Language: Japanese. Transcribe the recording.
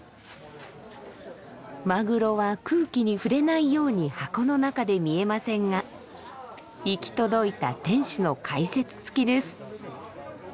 マグロは空気に触れないように箱の中で見えませんが行き届いた店主の解説つきです。